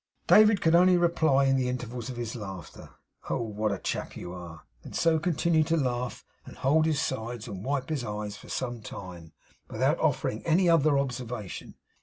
David could only reply in the intervals of his laughter, 'Oh, what a chap you are!' and so continued to laugh, and hold his sides, and wipe his eyes, for some time, without offering any other observation.